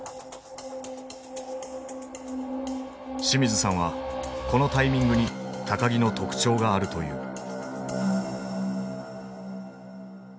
清水さんはこのタイミングに木の特徴があるという。